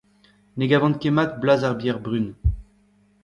Ne gavan ket mat blaz ar bier brun.